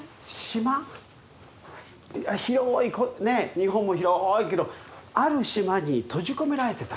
島広いこうね日本も広いけどある島に閉じ込められてた。